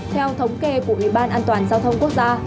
theo thống kê của ủy ban an toàn giao thông quốc gia